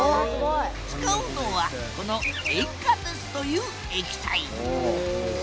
使うのはこの塩化鉄という液体。